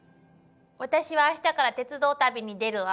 私はあしたから鉄道旅に出るわ。